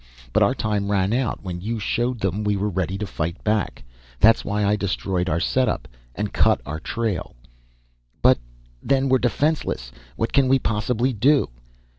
But our time ran out when you showed them we were ready to fight back. That's why I destroyed our setup, and cut our trail." "But ... then we're defenseless! What can we possibly do?"